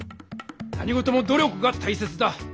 何事もど力がたいせつだ！